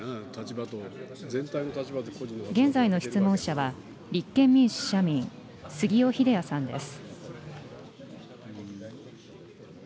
現在の質問者は、立憲民主・社民、杉尾秀哉さんです。